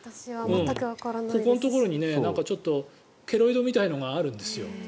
ここのところにケロイドみたいなのがあるんですよ。